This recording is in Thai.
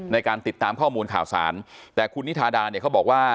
ในการติดตามข้อมูลข่าวสารแต่คุณนิทาดาเนี่ยเขาบอกว่า